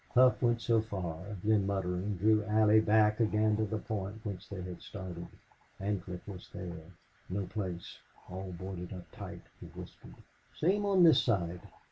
Hough went so far, then muttering, drew Allie back again to the point whence they had started. Ancliffe was there. "No place! All boarded up tight," he whispered. "Same on this side.